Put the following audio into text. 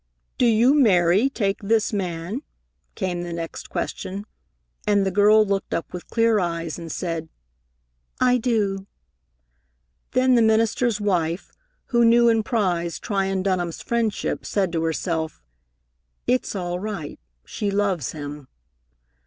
"Do you, Mary, take this man?" came the next question, and the girl looked up with clear eyes and said, "I do." Then the minister's wife, who knew and prized Tryon Dunham's friendship, said to herself: "It's all right. She loves him."